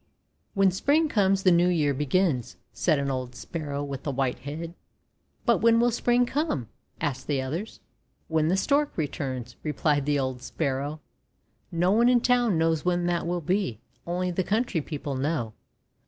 "When Spring comes, the New Year begins," said an old Sparrow with a white head. "But when will Spring come?' asked the others. "Wlien the Stork returns," replied the old Sparrow. :<No one in town knows when that will be. Only the country people know.